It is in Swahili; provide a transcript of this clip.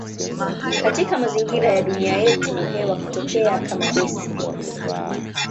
Katika mazingira ya dunia yetu hewa hutokea kama gesi.